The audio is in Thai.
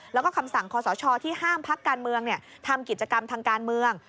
แล้วก็คำสั่งคอสชที่ห้ามพักการเมืองทำกิจกรรมทางการเมือง